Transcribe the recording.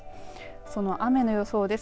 その雨の予想です。